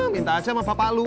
minta aja sama bapak lu